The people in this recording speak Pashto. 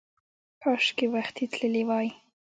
کاشکې وختي تللی وای!